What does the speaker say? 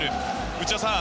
内田さん